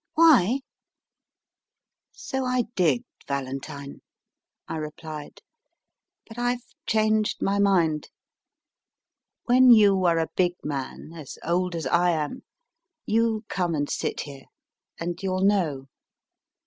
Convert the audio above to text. Why ? So I did, Valentine, I replied, but I ve changed my mincl. When you are a big man, as old as I am, you come and sit here and you ll know.